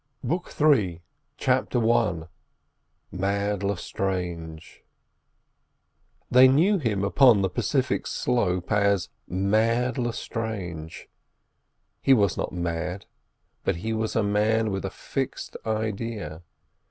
BOOK III CHAPTER I MAD LESTRANGE They knew him upon the Pacific slope as "Mad Lestrange." He was not mad, but he was a man with a fixed idea.